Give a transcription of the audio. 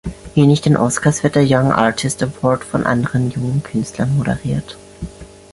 Ähnlich den "Oscars" wird der "Young Artist Award" von anderen jungen Künstlern moderiert.